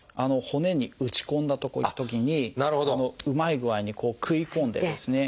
骨に打ち込んだときにうまい具合にこう食い込んでですね